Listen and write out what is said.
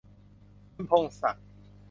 คุณพงษ์ศักดิ์